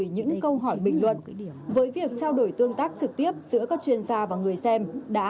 những câu hỏi bình luận với việc trao đổi tương tác trực tiếp giữa các chuyên gia và người xem đã